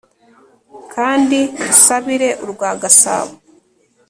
Kandi dusabire urwa Gasabo